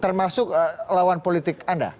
termasuk lawan politik anda